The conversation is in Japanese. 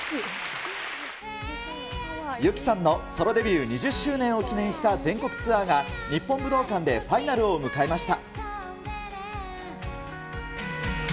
ユキさんのソロデビュー２０周年を記念した全国ツアーが、日本武道館でファイナルを迎えました。